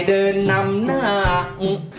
เล่นกัน๒คนพ่อลูก